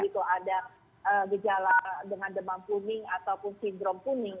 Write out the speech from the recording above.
jadi kalau ada gejala dengan demam kuning ataupun sindrom kuning